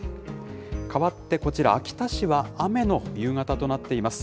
かわってこちら、秋田市は雨の夕方となっています。